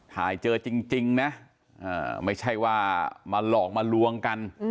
เจอจริงนะไม่ใช่ว่ามาหลอกมาลวงกัน